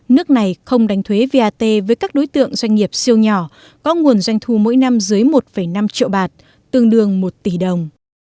nước này không đánh thuế vat với các đối tượng doanh nghiệp siêu nhỏ có nguồn doanh thu mỗi năm dưới một năm triệu bạt tương đương một tỷ đồng